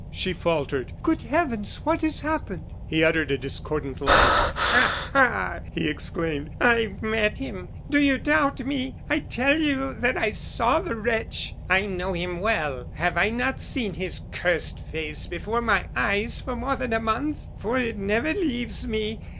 she faltered. "Good heavens! what has happened?" He uttered a discordant laugh. "Ah, ha!" he exclaimed, "I met him. Do you doubt me? I tell you that I saw the wretch. I know him well; have I not seen his cursed face before my eyes for more than a month for it never leaves me.